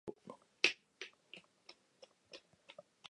北海道紋別市